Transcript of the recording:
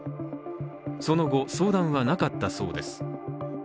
その後、相談はなかったそうです。